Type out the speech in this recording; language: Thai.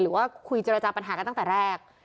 หรือว่าคุยเจรจาปัญหากันตั้งแต่แรก